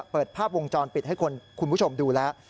เปิดภาพวงจรปิดให้คุณผู้ชมดูแล้ว